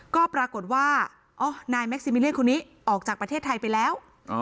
ก็ปรากฏว่านายแม็กซิมิเลียนคนนี้ออกจากประเทศไทยไปแล้ว